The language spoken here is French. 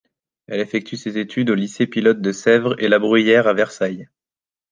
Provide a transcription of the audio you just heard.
Elle effectue ses études aux lycées pilote de Sèvres et La Bruyère à Versailles.